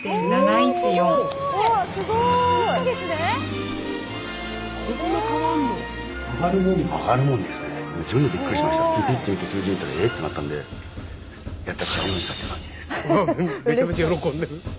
めちゃめちゃ喜んでる。